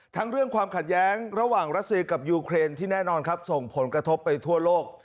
เรื่องความขัดแย้งระหว่างรัสเซียกับยูเครนที่แน่นอนครับส่งผลกระทบไปทั่วโลก